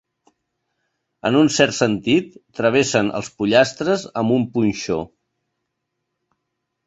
En un cert sentit, travessen els pollastres amb un punxó.